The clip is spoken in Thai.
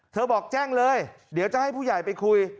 บอกแจ้งเลยเดี๋ยวจะให้ผู้ใหญ่ไปคุย